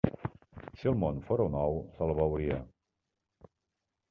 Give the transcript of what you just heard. Si el món fóra un ou, se'l beuria.